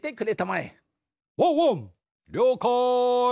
りょうかい。